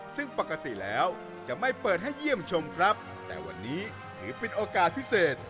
ซึ่งปกติแล้วจะไม่เปิดให้เยี่ยมชมครับแต่วันนี้ถือเป็นโอกาสพิเศษ